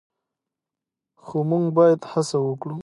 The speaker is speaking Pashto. خو موږ باید هڅه وکړو.